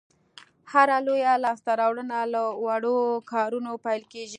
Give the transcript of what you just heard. هره لویه لاسته راوړنه له وړو کارونو پیل کېږي.